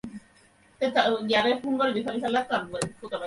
বলে গেছে শিগগির আসবে।